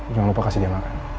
jangan lupa kasih dia makan